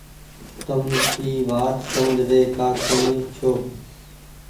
تم اي وآت سمجه ري ڪآ ڪونيٚ ڇو۔